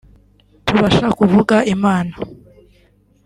tubasha kuvuga Imana